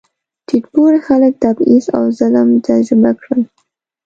ټیټ پوړي خلک تبعیض او ظلم تجربه کړل.